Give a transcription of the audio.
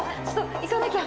行かなきゃ！